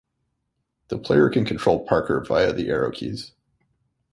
The player can control Parker via the arrow keys.